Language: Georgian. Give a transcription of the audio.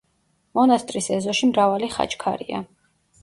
მონასტრის ეზოში მრავალი ხაჩქარია.